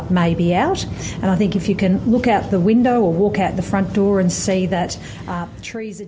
tempat tempat yang berada di atas jalanan